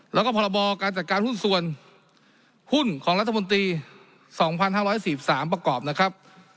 แล้วก็พรบการจัดการหุ้นส่วนหุ้นของรัฐมนตรี๒๕๔๓ประกอบนะครับ